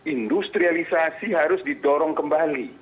industrialisasi harus didorong kembali